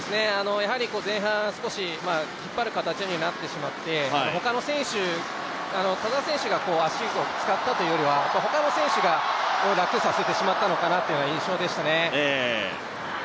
前半少し引っ張る形にはなってしまって、田澤選手が足を使ったというよりは、他の選手を楽させてしまったのかなという印象ですね。